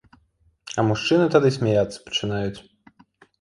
А мужчыны тады смяяцца пачынаюць.